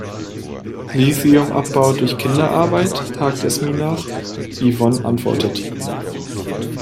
"Lithiumabbau durch Kinderarbeit?", hakt Yasmin nach. Yvonne antwortet.